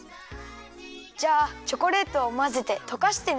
じゃあチョコレートをまぜてとかしてね。